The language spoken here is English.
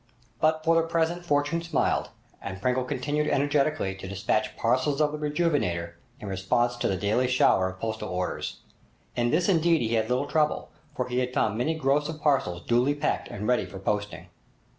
But for the present Fortune smiled, and Pringle continued energetically to despatch parcels of the 'Rejuvenator' in response to the daily shower of postal orders. In this indeed he had little trouble, for he had found many gross of parcels duly packed and ready for posting.